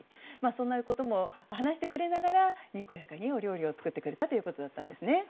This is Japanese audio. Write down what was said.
そんなことも話してくれながらにこやかにお料理を作ってくれたということだったんです。